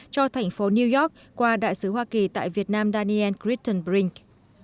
cho thành phố new york qua đại sứ hoa kỳ tại việt nam daniel grittenbrink